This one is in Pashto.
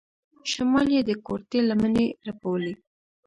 شمال يې د کورتۍ لمنې رپولې.